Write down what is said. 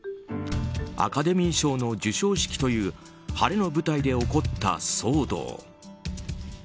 アカデミー賞の授賞式という晴れの舞台で起こった騒動。